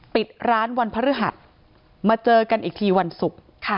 ปิดร้านวันพฤหัสมาเจอกันอีกทีวันศุกร์